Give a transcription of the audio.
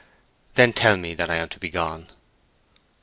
"Then tell me that I am to be gone."